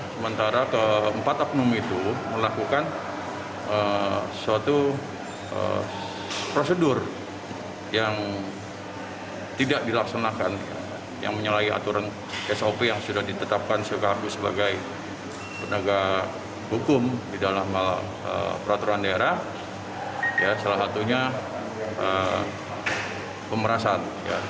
sebetulnya pemerasan diduga pemerasan